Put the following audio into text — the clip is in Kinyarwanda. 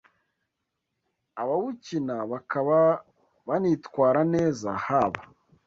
abawukina bakaba banitwara neza haba